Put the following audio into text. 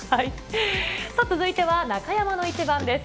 さて続いては中山のイチバンです。